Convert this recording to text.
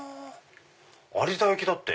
有田焼だって。